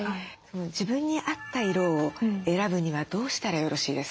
自分に合った色を選ぶにはどうしたらよろしいですか？